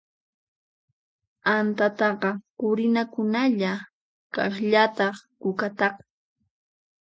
T'antataqa qurinakunalla, kaqllataq kukataqa.